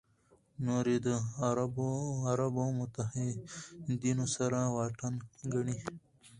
نور یې د عربو متحدینو سره واټن ګڼي.